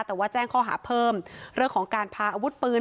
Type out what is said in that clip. แต่ว่าแจ้งข้อหาเพิ่มเรื่องของการพาอาวุธปืน